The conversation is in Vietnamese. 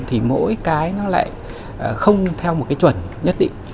thì mỗi cái nó lại không theo một cái chuẩn nhất định